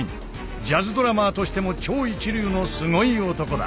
ジャズドラマーとしても超一流のすごい男だ。